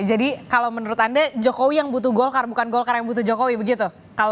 jadi kalau menurut anda jokowi yang butuh golkar bukan golkar yang butuh jokowi begitu